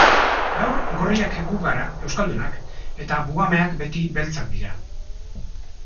Gaur, gorriak gu gara, euskaldunak, eta buhameak beti beltzak dira.